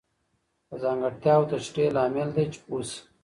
د ځانګړتیاوو تشریح لامل دی چې پوه سئ.